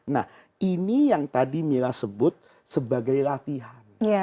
nah ini yang tadi mila sebut sebagai latihan